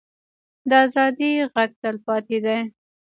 د ازادۍ غږ تلپاتې دی